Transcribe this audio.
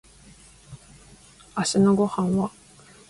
明日のご飯は